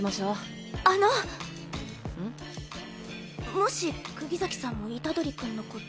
もし釘崎さんも虎杖君のこと。